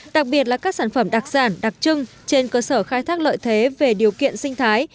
đặc biệt là các sản phẩm đặc sản đặc trưng trên cơ sở khai thác lợi thế về điều kiện sinh thái